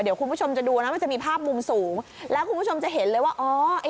เดี๋ยวคุณผู้ชมจะดูนะมันจะมีภาพมุมสูงแล้วคุณผู้ชมจะเห็นเลยว่าอ๋อไอ้